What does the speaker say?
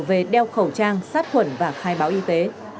về đeo khẩu trang sát khuẩn và khai báo y tế